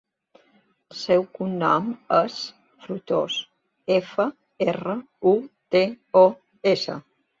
El seu cognom és Frutos: efa, erra, u, te, o, essa.